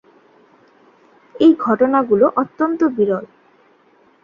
এই ঘটনাগুলো অত্যন্ত বিরল।